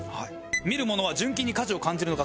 見る者は純金に価値を感じるのか？